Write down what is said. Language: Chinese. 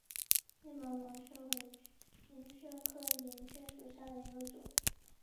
密毛岩蕨为岩蕨科岩蕨属下的一个种。